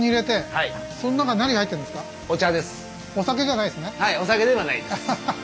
はいお酒ではないです。